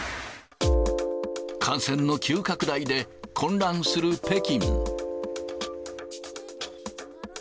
感染の急拡大で混乱する北京。